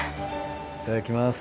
いただきます。